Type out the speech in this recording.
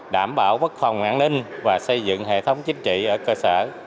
đảm bảo bất khỏi những cái vấn đề gì làm ở địa phương